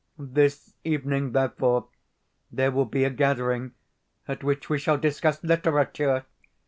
This evening, therefore, there will be a gathering at which we shall discuss literature!